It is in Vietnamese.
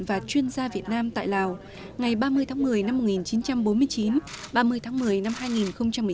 và chuyên gia việt nam tại hà nội